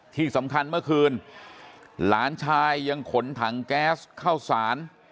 ที่สำคัญเมื่อคืนหลานชายยังขนถังแก๊สเข้าสาร